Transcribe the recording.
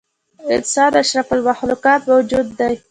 انسان اشرف المخلوق موجود دی.